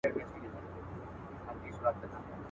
دا د ژوند پور دي در واخله له خپل ځانه یمه ستړی.